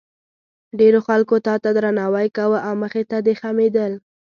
ډېرو خلکو تا ته درناوی کاوه او مخې ته دې خمېدل.